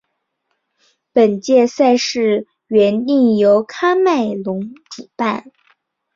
本届赛事原定由喀麦隆主办。